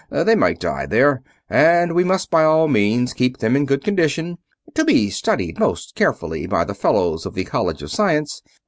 They might die there, and we must by all means keep them in good condition, to be studied most carefully by the fellows of the College of Science.